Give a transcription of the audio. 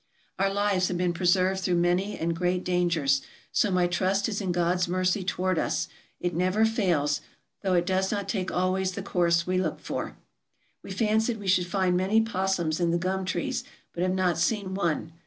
Our lives have been preserved through many and great dangers, so my trust is in God's mercy toward us ; it never fails, though it does not take always the course we look for. We fancied we should find many opossums in the gum trees, but have not seen one.